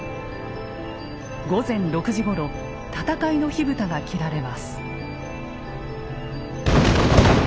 午前６時ごろ戦いの火蓋が切られます。